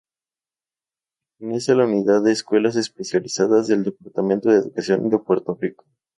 Pertenece a la Unidad de Escuelas Especializadas del Departamento de Educación de Puerto Rico.